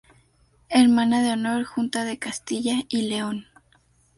Hermana de Honor: Junta de Castilla y León.